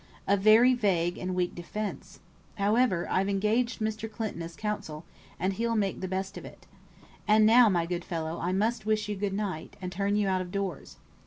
A very vague and weak defence. However, I've engaged Mr. Clinton as counsel, and he'll make the best of it. And now, my good fellow, I must wish you good night, and turn you out of doors.